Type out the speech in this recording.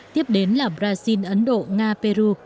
tiếp đến là brazil ấn độ nga peru